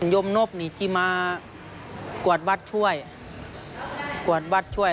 ยมนพนี่จะมากวดวัดช่วย